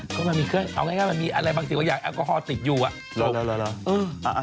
ก็มันมีเครื่องเอาง่ายมันมีอะไรบางสิ่งบางอย่างแอลกอฮอลติดอยู่อ่ะหลบ